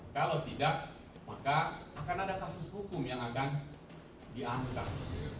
kalau tidak maka akan ada kasus hukum yang akan diangkat